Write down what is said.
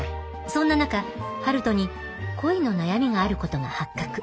そんな中陽斗に恋の悩みがあることが発覚。